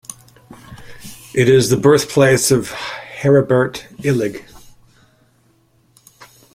It is the birthplace of Heribert Illig.